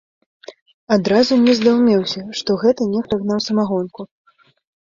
Адразу не здаўмеўся, што гэта нехта гнаў самагонку.